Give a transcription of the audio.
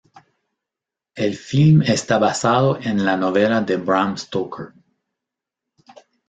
El film está basado en la novela de Bram Stoker.